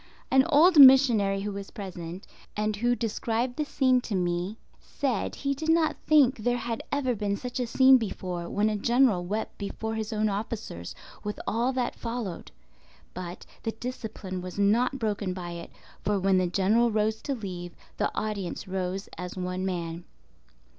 An old missionary who was present, and who described the scene to me, said he did not think there had ever been such a scene before when a general wept before his own officers, with all that followed. But the discipline was not broken by it; for when the General rose to leave, the audience rose as one man.